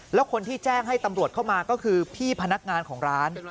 แล้วคนที่แจ้งให้ตำรวจเข้ามาก็คือพี่พนักงานของร้าน